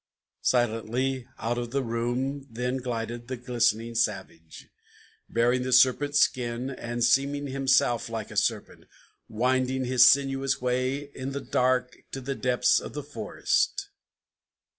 Silently out of the room then glided the glistening savage, Bearing the serpent's skin, and seeming himself like a serpent, Winding his sinuous way in the dark to the depths of the forest.